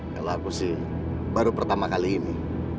kalau aku sih baru pertama kali ini